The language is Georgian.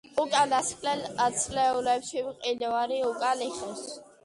უკანასკნელ ათწლეულებში მყინვარი უკან იხევს.